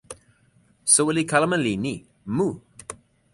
soweli kalama li ni: mu!